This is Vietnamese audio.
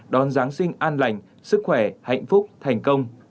đón giáng sinh an lành sức khỏe hạnh phúc thành công